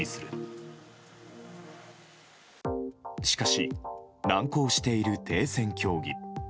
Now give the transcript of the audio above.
しかし難航している停戦協議。